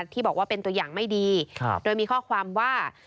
ที่บอกว่าเป็นตัวอย่างไม่ดีโดยมีข้อความว่า